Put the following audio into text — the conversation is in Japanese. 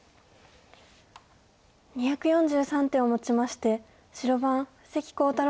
２４３手をもちまして白番関航太郎